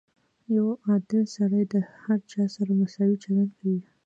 • یو عادل سړی د هر چا سره مساوي چلند کوي.